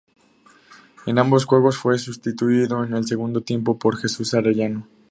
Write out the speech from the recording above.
En ambos juegos fue sustituido en el segundo tiempo por Jesús Arellano.